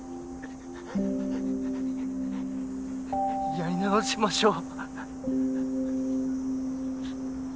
やり直しましょう。